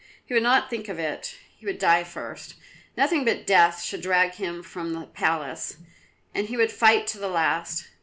He would not think of it; he would die first; nothing but death should drag him from the palace, and he would fight to the last.